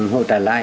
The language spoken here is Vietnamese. họ trả lại